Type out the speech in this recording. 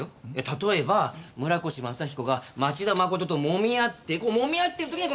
例えば村越正彦が町田誠ともみ合ってもみ合ってる時に手の痕が。